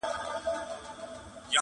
اوس به څوك تسليموي اصفهانونه.!